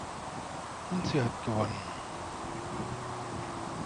Und sie hat gewonnen.